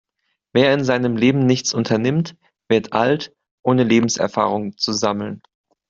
Wer in seinem Leben nichts unternimmt, wird alt, ohne Lebenserfahrung zu sammeln.